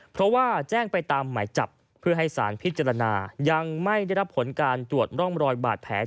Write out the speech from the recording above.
เพราะว่าแจ้งไปตามหมายจับเพื่อให้สารพิจารณายังไม่ได้รับผลการตรวจร่องรอยบาดแผล